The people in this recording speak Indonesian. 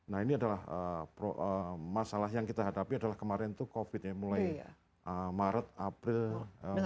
nah ini adalah masalah yang kita hadapi adalah kemarin itu covid sembilan belas mulai maret april mei ini